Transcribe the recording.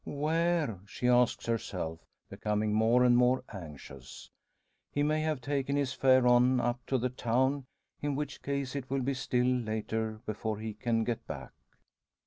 "Where?" she asks herself, becoming more and more anxious. He may have taken his fare on up to the town, in which case it will be still later before he can get back.